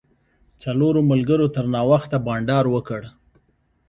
څلورو ملګرو تر ناوخته بانډار وکړ.